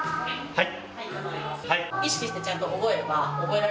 はい。